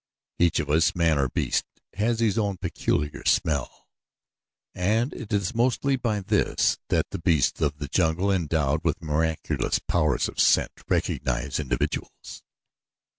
Each of us, man or beast, has his own peculiar odor, and it is mostly by this that the beasts of the jungle, endowed with miraculous powers of scent, recognize individuals.